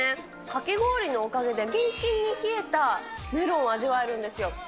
かき氷のおかげで、きんきんに冷えたメロンを味わえるんですよ。